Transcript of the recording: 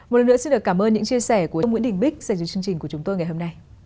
một lần nữa xin được cảm ơn những chia sẻ của ông nguyễn đình bích dành cho chương trình của chúng tôi ngày hôm nay